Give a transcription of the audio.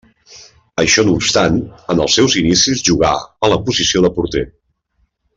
Això no obstant, en els seus inicis jugà a la posició de porter.